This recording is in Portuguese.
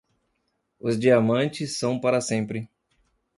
Os diamantes são para sempre.